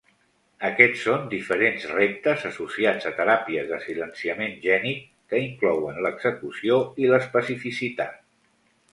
Aquests són diferents reptes associats a teràpies de silenciament gènic, que inclouen l'execució i l'especificitat.